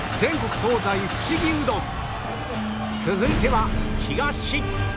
続いては東